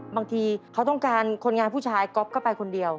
บางทีเขาต้องการคนงานผู้ชายก๊อฟก็ไปคนเดียว